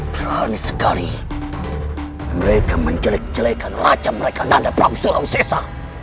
kurang sekali mereka menjelek jelekan rake mereka nanda prabu surawi seja